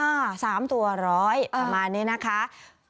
อ่าสามตัวร้อยประมาณนี้นะคะ